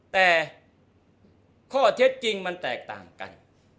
แต่ข้อเท็จจริงมันแตกต่างกัน